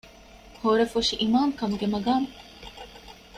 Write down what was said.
ހޯރަފުށި އިމާމުކަމުގެ މަޤާމު